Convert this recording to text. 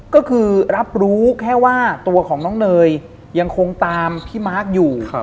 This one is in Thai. ก็คือรับรู้แค่ว่าตัวของน้องเนยยังคงตามพี่มาร์คอยู่